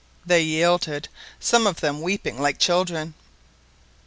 They yielded, some of them weeping like children.